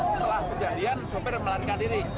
setelah kejadian sopir melarikan diri